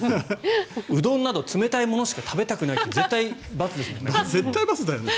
うどんなど冷たいものしか食べたくないって絶対×ですもんね。